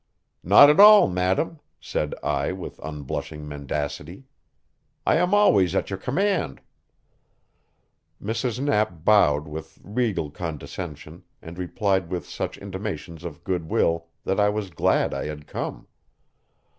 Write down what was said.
"Not at all, madam," said I with unblushing mendacity. "I am always at your command." Mrs. Knapp bowed with regal condescension, and replied with such intimations of good will that I was glad I had come.